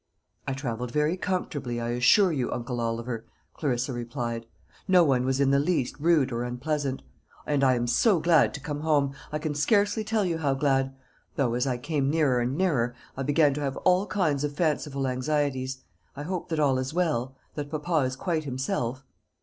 "I travelled very comfortably, I assure you, uncle Oliver," Clarissa replied. "No one was in the least rude or unpleasant. And I am so glad to come home I can scarcely tell you how glad though, as I came nearer and nearer, I began to have all kinds of fanciful anxieties. I hope that all is well that papa is quite himself."